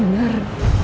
itu nggak bener